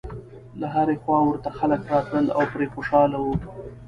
له هرې خوا ورته خلک راتلل او پرې خوشاله و.